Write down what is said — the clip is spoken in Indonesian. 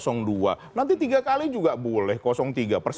nanti tiga kali juga boleh tiga persatuan indonesia ya bung andre